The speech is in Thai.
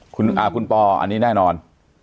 คุณปออันนี้แน่นอน